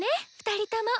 ２人とも！